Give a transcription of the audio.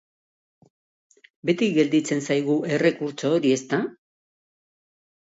Beti gelditzen zaigu errekurtso hori, ezta?